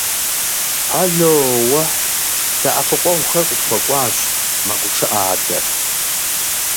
– Ало-уэхь, дэӀэпыкъуэгъухэр къытхуэкӀуащ, – мэгушыӀэ адэр.